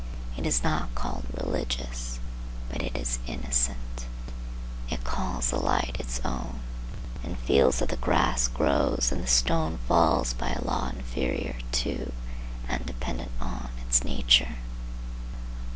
It is not called religious, but it is innocent. It calls the light its own, and feels that the grass grows and the stone falls by a law inferior to, and dependent on, its nature.